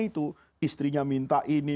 itu istrinya minta ini